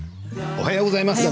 おはようございます。